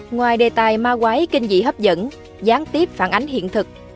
ngoài đề tài ma quái kinh dị hấp dẫn gián tiếp phản ánh hiện thực